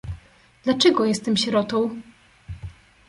"Dlaczego jestem sierotą?"